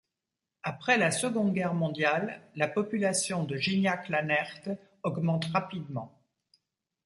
Après la Seconde Guerre mondiale, la population de Gignac-la-Nerthe augmente rapidement.